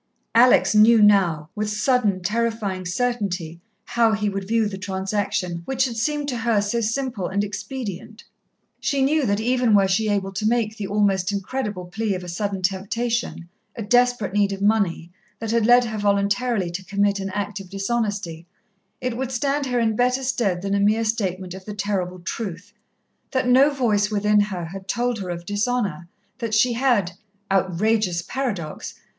Alex knew now, with sudden, terrifying certainty how he would view the transaction which had seemed to her so simple an expedient. She knew that even were she able to make the almost incredible plea of a sudden temptation, a desperate need of money, that had led her voluntarily to commit an act of dishonesty, it would stand her in better stead than a mere statement of the terrible truth that no voice within her had told her of dishonour, that she had outrageous paradox!